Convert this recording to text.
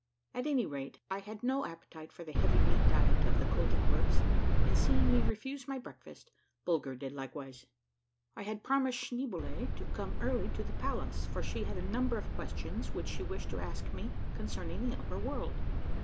At any rate I had no appetite for the heavy meat diet of the Koltykwerps, and seeing me refuse my breakfast, Bulger did likewise. I had promised Schneeboule to come early to the palace, for she had a number of questions which she wished to ask me con cerning the upper world.